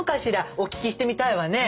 お聞きしてみたいわね。